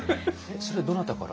それどなたから？